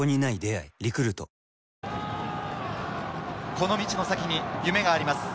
この道の先に夢があります。